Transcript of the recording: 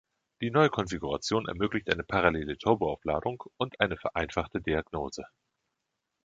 Die neue Konfiguration ermöglicht eine parallele Turboaufladung und eine vereinfachte Diagnose.